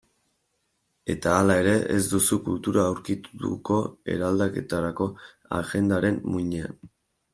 Eta hala ere, ez duzu kultura aurkituko eraldaketarako agendaren muinean.